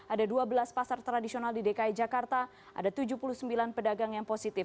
ada dua belas pasar tradisional di dki jakarta ada tujuh puluh sembilan pedagang yang positif